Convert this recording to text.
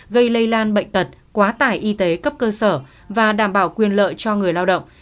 gây lây lan bệnh tật quá tải y tế cấp cơ sở và đảm bảo quyền lợi cho người lao động